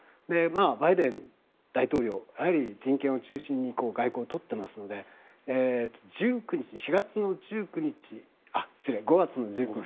バイデン大統領やはり、人権を中心に外交を取っていますので５月１９日